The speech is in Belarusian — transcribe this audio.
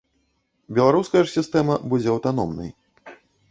Беларуская ж сістэма будзе аўтаномнай.